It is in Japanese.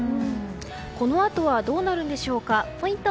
このあとはどうなるんでしょうか。